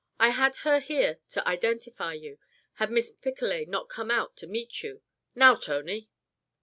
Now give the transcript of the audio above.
"I had her here to identify you, had Miss Picolet not come out to meet you. Now, Tony!"